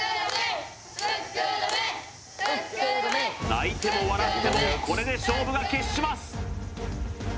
泣いても笑ってもこれで勝負が決します